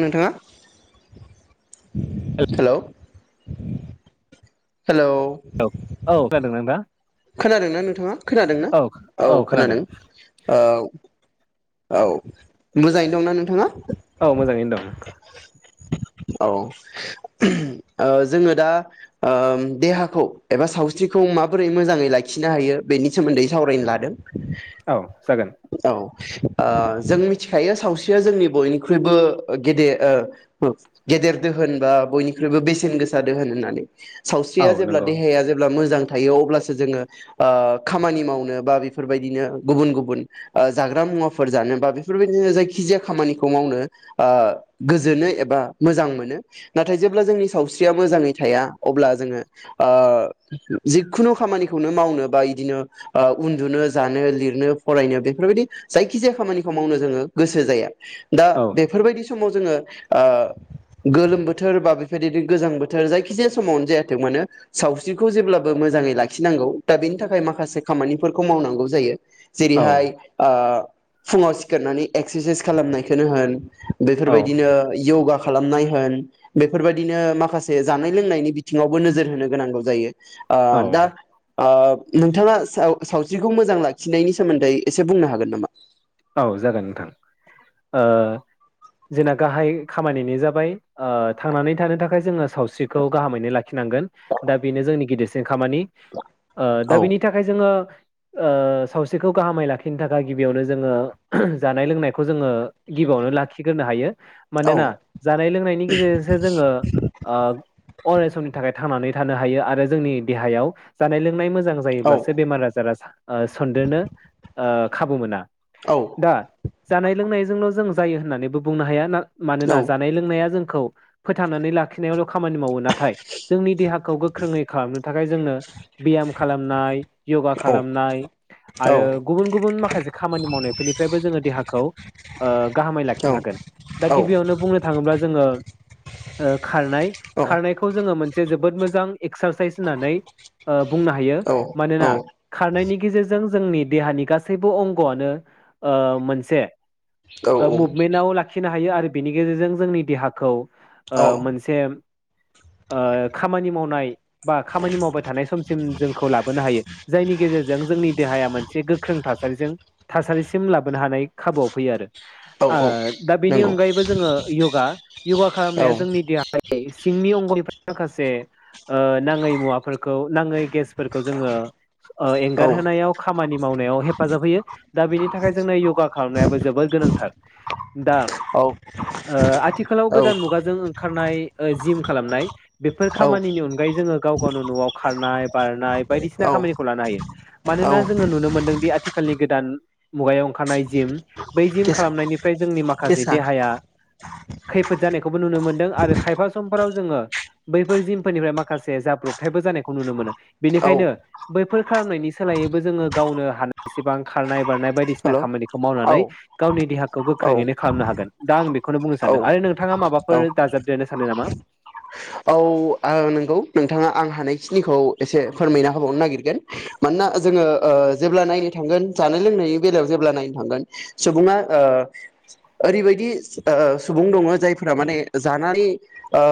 नोंथाङा hello hello औ औ खोनादोना दा। खोनादोंना नोंथाङा खोनादों ना औ खोनादों औ। औ मोजाङै दंना नोंथाङा? औ मोजाङैनो दं। औ जोंङो दा ओ‌ देहाखौ एबा सावस्रिखौ माबोरै मोजाङै लाखिनो हायो बेनि सोमोन्दै सावरायनो लादों। औ जागोन। [inaudible] ओ जों मिथिखायो सावस्रिया जोंनि बयनिख्रुइबो गेदेर ओ गेदेर दोहोन बा बयनिख्रुइबो बेसेन गोसा दोहोन होननानै। औ सावस्रिया जेब्ला नंगौ देहाया जेब्ला मोजां थायो अब्लासो जोंङो ओ खामानि मावनो बा बेफोरबायदिनो गुबुन गुबुन जाग्रा मुवा फोर जानो बा बेफोरबायदिनो जायखि जाया खामानिखौ मावनो गोजोनो एबा मोजां मोनो नाथाय जेब्ला जोंनि सावस्रिया मोजाङै थाया अब्ला जोंङो ओ जिखुनु खामानिखौनो मावनो बा बिदिनो उन्दुनो जानो लिरनो फरायनो बेफोरबायदि जाय खिजाया खामानिखौ मावनो जोंङो गोसो जाया दा औ बेफोरबायदि समाव जोंङो ओ गोलोम बोथोर बा बेबायदिनो गोजां बोथोर जायखिजाया समावनो जायाथों मानो सावस्रिखौ जेब्लाबो मोजाङै लाखिनांगौ दा बेनि थाखाय माखासे खामानिफोरखौ मावनांगौ जायो औ जेरैहाय ओ फुङाव सिखारनानै एक्सारसाइस खालामनायखौनो होन औ बेफोरबायदिनो योगा खालामनाय होन बेफोरबायदिनो माखासे जानाय लोंनायनि बिथिङावबो नोजोर होनो गोनांगौ जायो ओ औ दा ओ नोंथाङा सावस्रिखौ मोजां लाखिनायनि सोमोन्दै एसे बुंनो हागोन नामा? औ जागोन नोंथां ओ जोंना गाहाय खामानिनो जाबाय ओ थांनानै थानो थाखाय जोंङो सावस्रिखौ गाहामैनो लाखिनांगोन दा बेनो जोंनि गिदिरसिन खामानि ओ दा औ बिनि थाखाय जोंङो ओ सावस्रिखौ गाहामै लाखिनो थाखाय गिबियावनो जोंङो जानाय लोंनायखौ जोंङो गिबियावनो लाखिग्रोनो हायो औ मानोना जानाय लोंनायनि गेजेरजोंसो जोंङो ओ अराय समनि थाखाय थांनानै थानो हायो आरो जोंनि देहायाव जानाय लोंनाय मोजां मोजां औ जायोब्ला बेमार आजारा सा ओ सनदेरनो ओ खाबु मोना औ दा जानाय लोंनायजोंल' जों जायो होन्नानैबो बुंनो हाया ना औ मानोना जानाय लोंनाया जों खौ फोथनानै लाखिनायावल' खामानि मावो ना थाय जोंनि देहाखौ गोख्रोङै खालामनो थाखाय जोंनो बियाम खालामनाय योगा औ खालामनाय औ आरो गुबुन गुबन माखासे खामानि मावनायफोरनिफ्रायबो जोङो देहाखौ ओ गाहामै लाखिनो हागोन दा औ गिबियावनो बुंनो थाङोब्ला जोङो ओ खारनाय खारनायखौ जोङो मोन से जोबोद मोजां एसार होननानै ओ बुंनो हायो मानोना खारनायनि गेजेरजों जोंनि देहानि गासैबो अं गङानो मोनसे मुभमेन्टाव लाखिनो हा हायो आरो बेनि गेजेरजों जोंनि देहाखौ ओ औ मोनसे ओ खामानि मावनाय बा खामानि मावबाय थानाय समसिम जोंखौ लाबोनो हायो जायनि गेजेरजों जोंनि देहाया मोनसे गोख्रों थासारिजों थासारिसिम लाबोनो हानाय खाबुआव फैयो आरो औ औ ओ दा बेनि नंगौ अनगायैबो जोङो योगा योगा औ खालामनाया जोंनि देहाय [inaudible] सिंनि अंग'निफ्राय माखासे ओ नाङै मुवाफोरखौ नाङै गेसफोरखौ जोङो ओ औ एंगारहोनायाव खामानि मावनायाव हेफाजाब होयो। दा बिनि थाखाय जोंना य'गा खालामनायाबो जोबोर गोनांथार। दा ओ आथिखालाव औ गोदान मुगाजों ओंखारनाय जिम खालामनाय बेफोर खामानिनि औ अनगायै जोङो गाव गावनो न'आव खारनाय बारनाय बायदिसिना औ खामानिखौ लानो हायो औ मानोना जोङो नुनो मोन्दोंदि आथिखालनि गोदान मुगायाव ओंखारनाय जिम बै जिम केस खालामनायनिफ्राय जोंनि माखासे केसा देहाया खैफोद जानायखौबो नुनो मोनदों आरो खायफा समफोराव जोङो बैफोर जिमफोरनिफ्राय माखासे जाब्रबथायबो जानायखौ नुनो मोनो। औ बेनिखायनो बै बेफोर खालामनायनि सोलायैबो जोङो गावनो हानाय एसेबां खारनाय बारनाय बायदिसिना हेल' खामानिखौ औ मावनानै गावनि देहाखौ औ गोख्रोङैनो खालामनो हागोन दा आं बेखौनो बुंनो औ सानदों आरो नोंथाङा माबाफोर औ दाजाबद्रोनो सानो नामा? औ नंगौ नोंथाङा आं हानायखिनिखौ एसे फोरमायना होबावनो नागिरगोन मानोना जोङो जेब्ला नायनो थांगोन जानाय लोंनायनि बेलायाव जेब्ला नायनो थांगोन सुबुङा ओ ओरैबायदि ओ सुबुं दङ जायफोरा माने जानानै ओ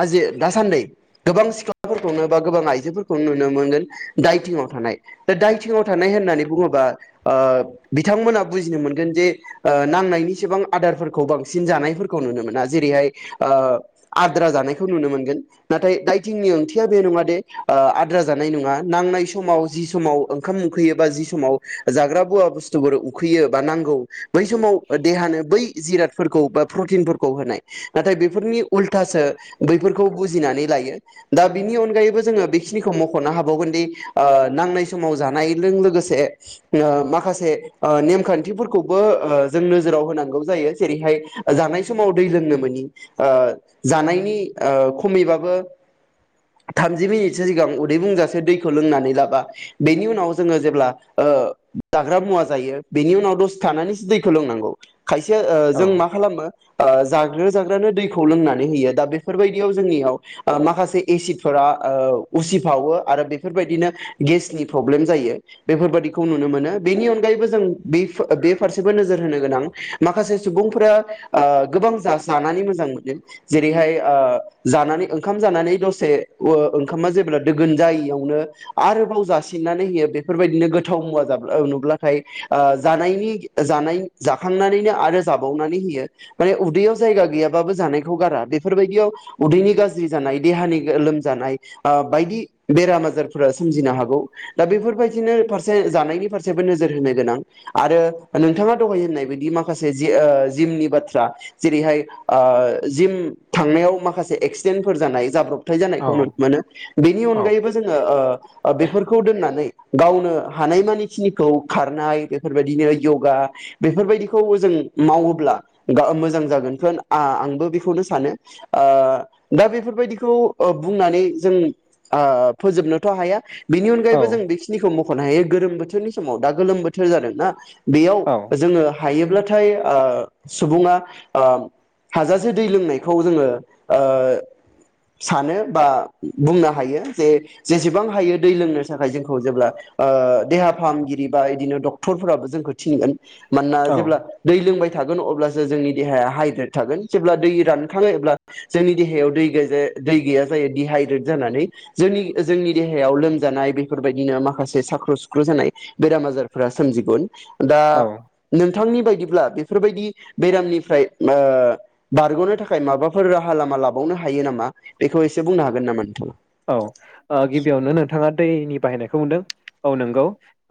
आ जे दासान्दि गोबां सिख्लाफोरखौनो बा गोबां आइजोफोरखौनो नुनो मोनगोन दायथिंआव थानाय दा दायथिंआव थानाय होननानै बुङोबा ओ बिथांमोना बुजिनो मोनगोन जे ओ नांनायनिसिबां आदारफोरखौ बांसिन जानायफोरखौ नुनो मोना जेरैहाय ओ आद्रा जानाय खौ नुनो मोनगोन नाथाय दाइथिंनि ओंथिया बे नङा दे ओ आद्रा जानाय नङा नांनाय समाव जि समाव ओंखाम उखैयो बा जि समाव जाग्रा बुवा बुस्थुफोर उखैयो बा नांगौ बै समाव देहानो बै जिरादफोरखौ बा प्रटिनफोरखौ होनाय नाथाय बेफोरनि उल्थासो बैफोरखौ बुजिनानै लायो दा बिनि अनगायैबो जोङो बेखिनिखौ मख'नो हाबावगोनदि ओ नांनाय समाव जानायजों लोगोसे माखासे नेमखान्थिफोरखौबो जों नोजोराव होनांगौ जायो जेरैहाय जानाय समाव दै लोंनो मोनि ओ जानायनि ओ खमैबाबो थामजि मिनिटसो सिगां उदै बुंजासे दैखौ लोंनानै लाबा बेनि उनाव जोङो जेब्ला ओ जाग्रा मुवा जायो बेनि उनाव दसे थानानैसो दैखौ लोंनांगौ। खायसे ओ औ जों मा खालामो जाग्रा जाग्रानो दैखौ लोंना [unintelligible] बेफोरबायदियाव जोंनियाव माखासे एसिडफोरा ओ उसिफावो आरो बेफोरबायदिनो गेसनि प्रब्लेम जायो बेफोरबायाददिखौ नुनो मोनो बेनि अनगायैबो जों बे बे फारसेबो नोजोर होनो गोनां माखासे सुबुंफोरा ओ गोबां जानानै मोजां मोनो जेरैहाय ओ जानानै ओंखाम जानानै दसे ओंखामा जेब्ला दोगोन जायियावनो आरोबाव जासिननानै होयो बेफोरबायदिनो गोथाव मुवा जाब नुब्लाथाय जानायनि जानाय जाखांनानैनो आरो जाबावनानै होयो माने उदैयाव जायगा गैयाबाबो जानायखौ गारा बे बेफोरबायदियाव उदैनि गाज्रि जानाय देहानि लोमजानाय ओ बायदि बेराम आजारफोरा सोमजिनो हागौ दा बेफोरबायदिनो फारसे जानायनि फारसेबो नोजोर होनो गोनां आरो नोंथाङा दहाय होननाय बायदि माखासे जि ओ जिमनि बाथ्रा जेरैहाय ओ जिम थांनायाव माखासे एक्सिडेन्टफोर जानाय जाब्रब थाय औ जानायखौ नुनो मोनो बेनि औ अनगायैबो जोङो ओ बेफोरखौ दोननानै गावनो हानायमानि खिनिखौ खारनाय बेफोरबायदिनो यगा बेफोरबायदिखौ जों मावोब्ला गाव मोजां जागोनफोर आं आंबो बेखौनो सानो। ओ दा बेफोरबायदिखौ ओ बुंनानै जों आ फोजोबनोथ' हाया बिनि अनगैबो जों बेखिनिखौ मुख ख'नो हायो गोलोम बोथोरनि समाव दा गोलोम बोथोर जादों ना बेयाव औ जोङो हायोब्लाथाय ओ सुबुंआ हाजासे ओ दै लोंनाय खौ जोङो ओ सानो बा बुंनो हायो जे जेसेबां हायो दै लोंनो थाखाय जोंखौ जेब्ला ओ देहा फाहामगिरि बा बिदिनो डक्टरफोराबो जोंखौ थिनगोन मानोना औ जेब्ला दै लोंबाय थागोन अब्ला सो जोंनि देहाया हाइड्रेद थागोन जेब्ला दैरान खाङो एब्ला जोंनि देहायाव दै दै गैजा दै जायो डहाइद्रेट जानानै जोंनि जोंनि देहायाव लोमजानाय बेफोरबायदिनो माखासे साख्र' सुख्रु जानाय बेराम आजारफोरा सोमजिगोन दा औ नों बिथांनि बायदिब्ला बेफोरबायदि बेरामनिफ्राय ओ बारग'नो थाखाय खाय माबाफोर राहा लामा लाबावनो हायो नामा बेखौ एसे बुंनो हागोन नामा नोंथाङा? औ ओ गिबियावनो नोंथाङा दैनि बाहायनायखौ मोनदों औ नंगौ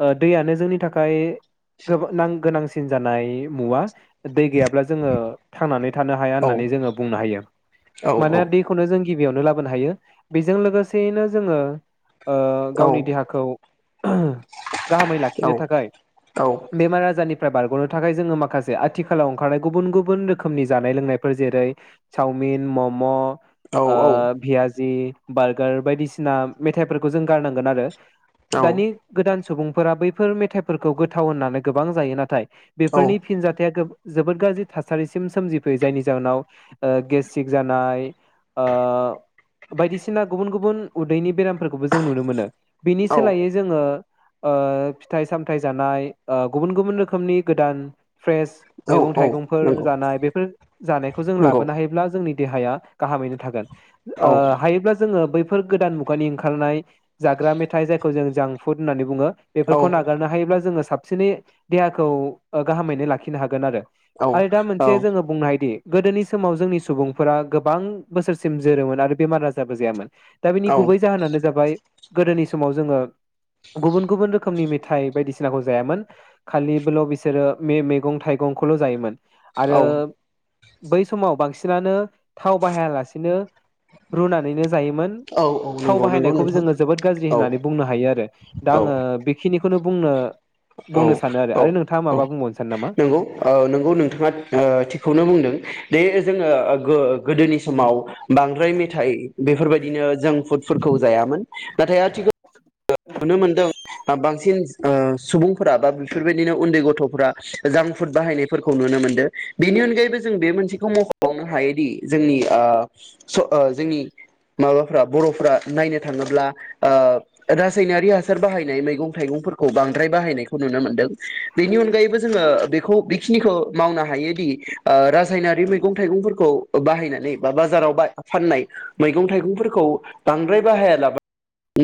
ओ दैयानो जोंनि थाखाय गोबां नां गोनांसिन जानाय मुवा दै गैयाब्ला जोङो थांनानै थानो हाया औ होननानै जोङो बुंनो हायो औ औ माने दैखौनो जोंनि गिबियावनो लाबोनो हायो बेजों लोगोसेयैनो जोङो ओ औ गावनि देहाखौ ओ गाहामै औ लाखिनो थाखाय औ बेमार आजारनिफ फ्राय बारग'नो थाखाय जोङो माखासे आथिखालाव ओंखारनाय गुबुन गुबुन रोखोमनि जानाय लोंनायफोर जेरै सावमिन मम' औ आ भियााजि बार्गार बायदिसिना मेथाइफोरखौ जों गारनांगोन आरो। दानि गोदान सुबुंफोरा बैफोर मेथाइफोरखौ गोथाव होननानै गोबां जायो नाथाय बेफोरनि फिनजाथाया गोबां जोबोद गाज्रि थासारिसिम सोमजिफैयो जायनि जाहोनाव ओ गेसनि जानाय ओ बायदिसिना सिना गुबुन गुबुन उदैनि बेरामफोरखौबो जों नुनो मोनो। बिनि सोलायै जोङो ओ फिथाइ सामथायाइ जानाय ओ गुबुन गुबुन रोखोमनि गोदान फ्रेस मैगं थाइगंफोर जानाय बेफोर जानायखौ जों लाबोनो हायोब्ला जोंनि देहाया गाहामैनो थागोन। ओ हायोब्ला जोङो बैफोर गोदान मुगानि ओंखारनाय जाग्रा मेथाइ जायखौ जों जांफुड होननानै बुङो बेफोरखौ नागारनो हायोब्ला जोङो साब सिनै देहाखौ गाहामैनो लाखिनो हागोन आरो। आरो दा मोनसे जोङो बुंनो हायोदि गोदोनि समाव जोंनि सुबुंफोरा गोबां बोसोरसिम जोरोमोन आरो बेमार आजार जाबोजायामोन दा बिनि गुबै जाहोनानो जाबाय गोदोनि समाव जोङो गुबुन गुबुन रोखोमनि मेथाइ बायदिसिनाखौ जायामोन खालि बेल' बिसोरो मे मेगं थाइगंखौल' जायोमोन। आरो बै समाव बांसिनानो थाव बाहायालासिनो रुनानैनो जायोमोन औ औ नंगौ ओ थाव नंगौ नंगौ बाहायनायखौबो नोंथां जोङो जोबोद गाज्रि औ होननानै बुंनो हायो आरो दा औ आङो बेखिनि खौनो बुंनो औ बुंनो सानो आरो औ आरो नोंथाङा औ माबा बुंबावनो सानो नामा नंगौ ओ नंगौ नोंथाङा ओ थिगखौनो बुंदों दे जोङो गो गोदोनि समाव बांद्राय मेथाइ बेफोरबाय दिनो जों फुडफोरखौ जायामोन। नाथाय आथिखाल नुनो मोनदों दा बां सिन ओ सुबुंफोरा बा बेफोरबायदिनो उन्दै गथ'फोरा जांक फुद बाहायनायफोरखौ नुनो मोनदो बेनि अनगायैबो जों बे मोनसेखौ मख'बावनो हायोदि जोंनि ओ स जोंनि माबाफोरा बर'फोरा नायनो थाङोब्ला ओ रासायनारि हासार बाहायनाय मैगं थाइगंफोरखौ बांद्राय बाहायनायखौ नुनो मोनदों बेनि अनगायैबो जोङो बेखौ बेखिनिखौ मावनो हायोदि रासायनारि मैगं थाइगंफोरखौ बाहायनानै बा बाजाराव फाननाय मैगं थाइगंफोरखौ बांद्राय बाहायालाबा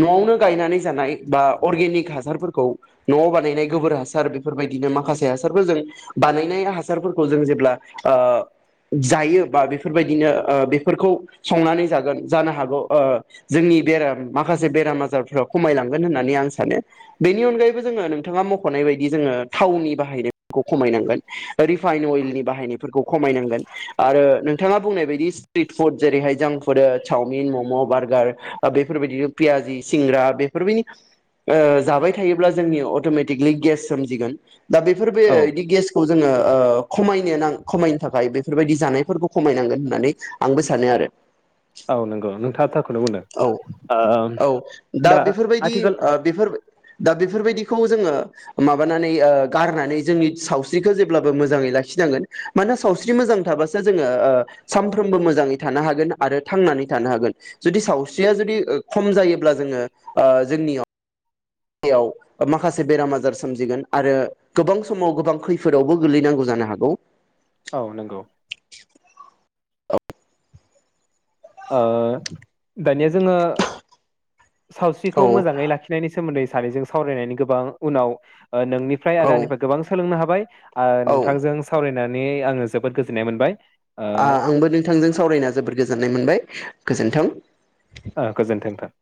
न'आवनो गायनानै जानाय बा अरगेनिक हासारफोरखौ न'ओ बानायनाय गोबोर हासार बेफोरबायदिनो माखासे हासारफोरजों बानायनाय हासारफोरखौ जों जेब्ला ओ जायो बा बेफोरबायदिनो बेफोरखौ संनानै जागोन जानो हागौ ओ जोंनि बेराम माखासे बेराम खमायलांगोन होननानै आं सानो बेनि अनगायैबो जोङो नोंथाङा मख'नाय बायदि जोङो थावनि बाहायनायखौ खमायनांगोन रिफाइन अइलनि बाहायनायफोरखौ खमायनांगोन आरो नों नोंथाङा बुंनाय बायदि स्ट्रिट फुड जेरैहाय जोंफोरो चावमिन मम' बार्गार बेफोरबायदिनो पियाजि सिंग्रा बेफोरबायनि ओ जाबाय थायोब्ला जोंनि अट'मेटिकेलि गेस सोमजिगोन। दा बेफोर बे औ बादि गेसखौ जोङो ओ खमायनाया आं खमाय थाखाय बेफोरबायदि जानायफोरखौ खमायनांगोन होननानै आंबो सानो आरो। औ नंगौ नोंथाङा थारखौनो बुंदों। औ औ दा बेफोरबायदि ओ बेफोर दा बेफोर बेफोरबायदिखो जोङो माबानानै ओ गारनानै जोंनि सावस्रिखो जेब्लाबो मोजांयै लाखिनांगोन मानोना सावस्रि मोजां थाबासो जोङो ओ सानफ्रोमबो मोजाङै थानो हागोन आरो थांनानै थानो हागोन जुदि सावस्रिया जुदि खम जायो अब्ला जोङो ओ जोंनियाव याव माखासे बेराम आजार सोमजिगोन आरो गोबां समाव गोबां खैफोदावबो गोलैनांगौ जानो हागौ। औ नंगौ [unintelligible] ओ दानिया जोङो औ सावस्रिखौ मोजाङै लाखिनायनि सोमोन्दै सानैजों सावरायनायनि गोबां उनाव ओ नोंनिफ्राय औ आरो आंनिफ्राय गोबां सोलोंनो हा- बाय ओ औ नोंथांजों सावराय- नानै आङो जोबोद गोजोन्नाय मोनबाय ओ आ आंबो नोंथांजों सावरायना जबोद गोजोननाय मोनबाय गोजोन्थों ओ गोजोन्थों नोंथां